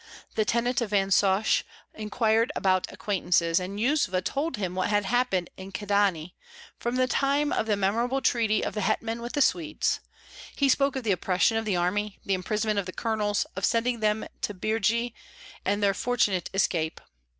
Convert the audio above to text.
The tenant of Vansosh inquired about acquaintances, and Yuzva told him what had happened in Kyedani from the time of the memorable treaty of the hetman with the Swedes; he spoke of the oppression of the army, the imprisonment of the colonels, of sending them to Birji, and their fortunate escape.